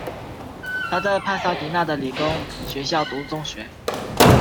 他在帕萨迪娜的理工学校读中学。